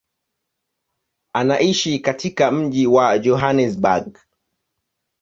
Anaishi katika mji wa Johannesburg.